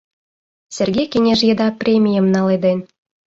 Серге кеҥеж еда премийым наледен.